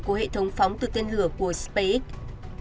của hệ thống phóng từ tên lửa của spacex